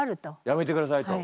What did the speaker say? やめてくださいと。